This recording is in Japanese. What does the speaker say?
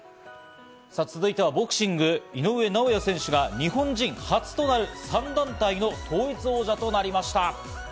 続いては、ボクシング・井上尚弥選手が日本人初となる３団体の統一王者となりました。